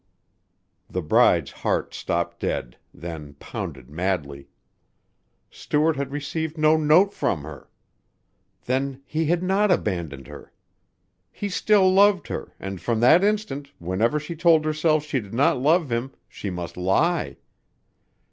The bride's heart stopped dead, then pounded madly. Stuart had received no note from her! Then he had not abandoned her. He still loved her and from that instant, whenever she told herself she did not love him, she must lie.